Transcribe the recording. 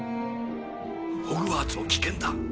ホグワーツも危険だ。